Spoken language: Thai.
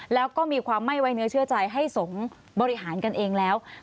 แล้วก็มีความไม่ไว้เนื้อเชื่อใจให้สงฆ์บริหารกันเองแล้ว